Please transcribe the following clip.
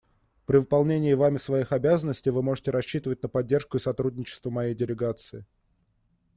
При выполнении вами своих обязанностей вы можете рассчитывать на поддержку и сотрудничество моей делегации.